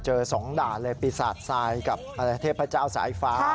สองด่านเลยปีศาจทรายกับเทพเจ้าสายฟ้า